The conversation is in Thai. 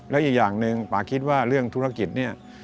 แล้วอีกอย่างนึงพาคิดว่าเรื่องธุรกิจนี่